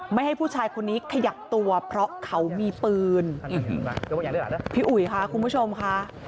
ไม่ให้ผู้ชายคนนี้ขยับตัวเพราะเขามีปืนพี่อุ๋ยค่ะคุณผู้ชมค่ะ